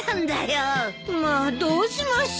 まあどうしましょう。